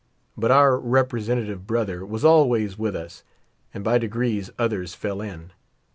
But our representative brother was always with us, and by degrees others fell in.